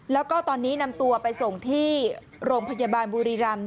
แล้วก็ตอนนี้นำตัวไปส่งที่โรงพยาบาลบุรีรำ